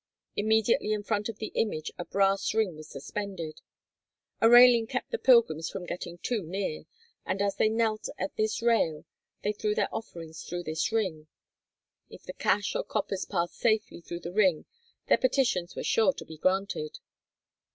Immediately in front of the image a brass ring was suspended. A railing kept the pilgrims from getting too near, and as they knelt at this rail they threw their offerings through this ring. If the cash or coppers passed safely through the ring their petitions were sure to be granted!